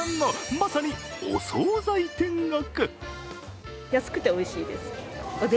まさにお総菜天国。